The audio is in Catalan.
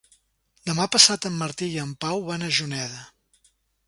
Demà passat en Martí i en Pau van a Juneda.